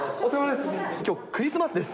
きょう、クリスマスです。